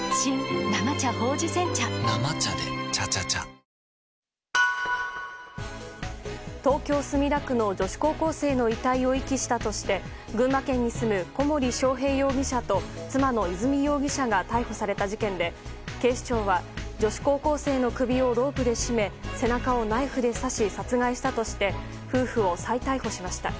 戦ううえで東京・墨田区の女子高校生の遺体を遺棄したとして群馬県に住む小森章平容疑者と妻の和美容疑者が逮捕された事件で、警視庁は女子高校生の首をロープで絞め背中をナイフで刺し殺害したとして夫婦を再逮捕しました。